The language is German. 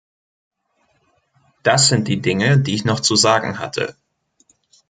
Das sind die Dinge, die ich noch zu sagen hatte.